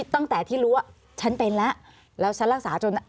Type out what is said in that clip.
ตั้งแต่ที่รู้ว่าฉันเป็นแล้วแล้วฉันรักษาจน